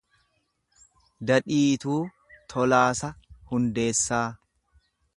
Dadhiituu Tolaasa Hundeessaa